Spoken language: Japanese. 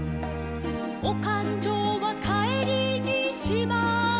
「おかんじょうはかえりにしますと」